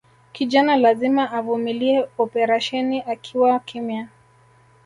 Kijana lazima avumilie operasheni akiwa kimya